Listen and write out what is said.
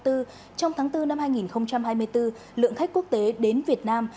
trong tháng bốn năm hai nghìn hai mươi bốn lượng khách quốc tế đến việt nam